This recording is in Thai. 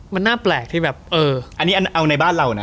มันน่าแปลกที่แบบเอออันนี้เอาในบ้านเรานะ